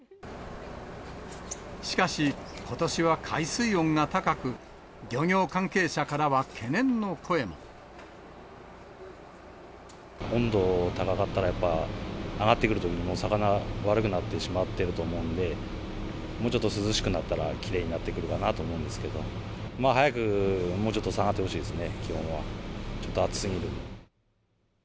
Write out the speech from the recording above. しかし、ことしは海水温が高く、温度高かったら、やっぱ揚がってくるときにもう魚悪くなってしまってると思うんで、もうちょっと涼しくなったら、きれいになってくるかなと思うんですけれども、まあ、早く、もうちょっと下がってほしいです